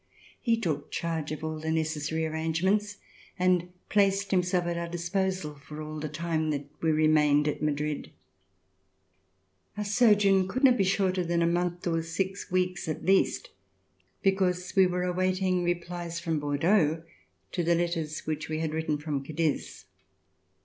He took charge of all the necessary arrangements and placed himself at our disposal for all the time that we re mained at Madrid. Our sojourn could not be shorter than a month or six weeks at least, because we were awaiting replies from Bordeaux to the letters which we had written from Cadiz.